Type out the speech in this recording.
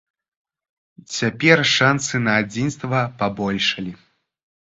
Цяпер шансы на адзінства пабольшалі.